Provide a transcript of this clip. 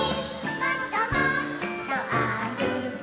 「もっともっとあるこ！」